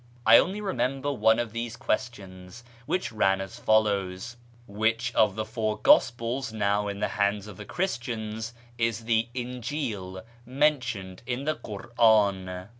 I only remember one of these questions, which ran as follows :" Which of the four gospels now in the hands of the Christians is the Injil mentioned in the Kur'an